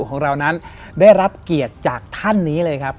ของเรานั้นได้รับเกียรติจากท่านนี้เลยครับ